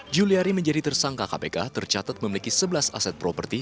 juliari menjadi tersangka kpk tercatat memiliki sebelas aset properti